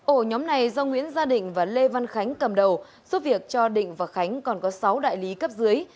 ổ nhóm này do nguyễn gia định và lê văn khánh cầm đầu giúp việc cho định và khánh còn có sáu đại lý cấp dưới